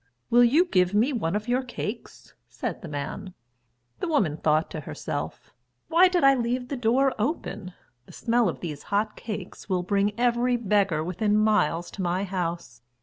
"Will you give me one of your cakes?" said the man. The woman thought to herself, "Why did I leave the door open? The smell of these hot cakes will bring every beggar within miles to my house."